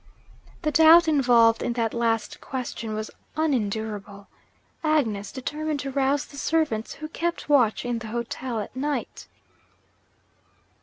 The doubt involved in that last question was unendurable. Agnes determined to rouse the servants who kept watch in the hotel at night.